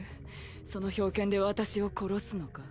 その冰剣で私を殺すのか？